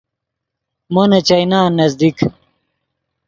مو نے چائینان نزدیک